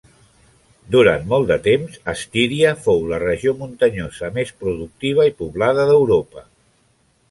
Durant molt de temps, Estíria fou la regió muntanyosa més productiva i poblada d'Europa.